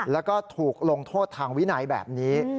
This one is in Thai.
แล้วก็ถูกลงโทษทางวินัยแบบนี้